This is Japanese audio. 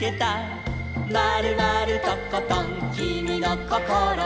「まるまるとことんきみのこころは」